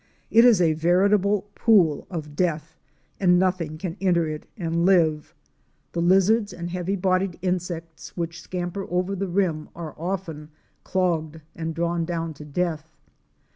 It is a veritable pool of death, and nothing can enter it and live. The lizards THE LAKE OF PITCH. 63 and heavy bodied insects which scamper over the rim are often clogged and drawn down to death.